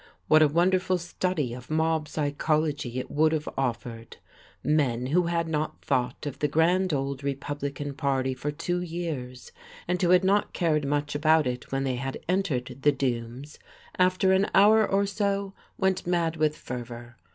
What a wonderful study of mob psychology it would have offered! Men who had not thought of the grand old Republican party for two years, and who had not cared much about it when they had entered the dooms, after an hour or so went mad with fervour.